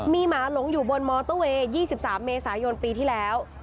มีหมาหลงอยู่บนมอเตอร์เวย์๒๓เมษายนปีที่แล้ว